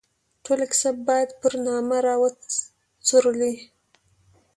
ټوله کیسه باید پر نامه را وڅورلي.